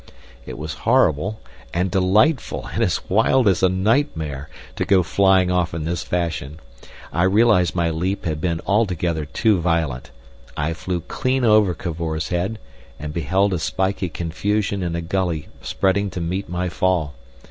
It was horrible and delightful, and as wild as a nightmare, to go flying off in this fashion. I realised my leap had been altogether too violent. I flew clean over Cavor's head and beheld a spiky confusion in a gully spreading to meet my fall.